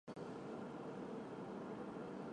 区人民政府驻八里店镇。